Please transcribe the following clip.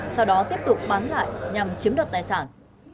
sau đó tiếp tục bán lại nhằm chiếm đoạt tài sản